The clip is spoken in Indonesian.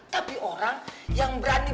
tapi orang yang berani